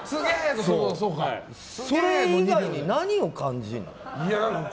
それ以外に何を感じるの？